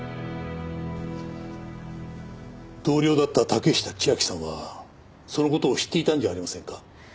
同僚だった竹下千晶さんはその事を知っていたんじゃありませんか？